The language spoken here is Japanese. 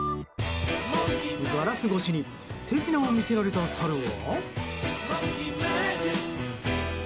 ガラス越しに手品を見せられたサルは。